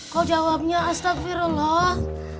kok jawabnya astagfirullah